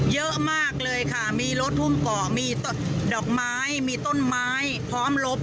เยอะมากเลยค่ะมีรถหุ้มเกาะมีดอกไม้มีต้นไม้พร้อมลบ